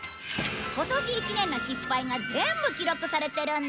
今年一年の失敗が全部記録されてるんだ。